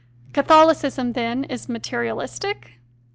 Catholicism, then, is "materialistic?"